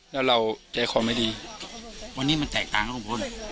แล้วเราใจคอไม่ดีวันนี้มันแตกต่างครับลุงพล